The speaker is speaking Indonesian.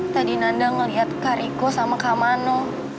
tadi nanda ngeliat kak riko sama kak mano